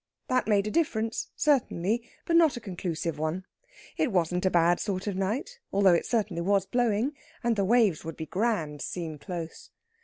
That made a difference, certainly, but not a conclusive one. It wasn't a bad sort of a night, although it certainly was blowing, and the waves would be grand seen close.